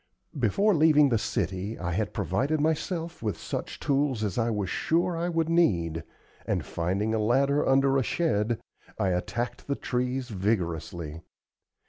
Before leaving the city I had provided myself with such tools as I was sure I should need; and finding a ladder under a shed, I attacked the trees vigorously.